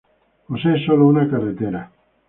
Posee solo una carretera.